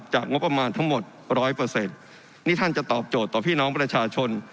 จากงบประมาณทั้งหมด๑๐๐นี่ท่านจะตอบโจทย์ต่อพี่น้องประชาชน